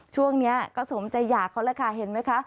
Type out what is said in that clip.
ช่วงนี้ก็สมใจหย่าเขาแล้วค่ะเห็นไหมคะ